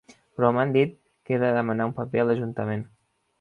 Però m'han dit que he de demanar un paper a l'ajuntament.